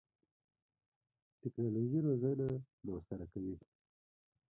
ټکنالوژي روزنه موثره کوي.